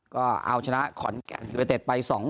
ก็เอาชนะขอนแก่ยุเวตตไป๒๐